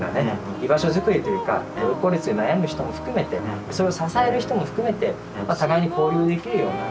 居場所づくりというか孤独・孤立で悩む人も含めてそれを支える人も含めて互いに交流できるような。